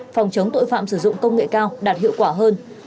phòng chống tội phạm sử dụng công nghệ cao đạt hiệu quả hơn